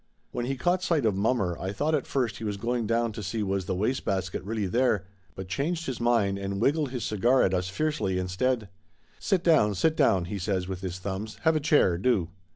When he caught sight of mommer I thought at first he was going down to see was the wastebasket really there, but changed his mind and wiggled his cigar at us fiercely, instead. "Sit down, sit down," he says with his thumbs. "Have a chair, do!"